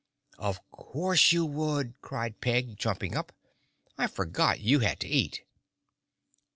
"Of course you would!" cried Peg, jumping up. "I forgot you had to eat."